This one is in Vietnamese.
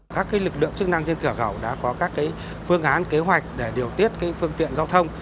các lực lượng chức năng trên cửa khẩu đã có các phương án kế hoạch để điều tiết phương tiện giao thông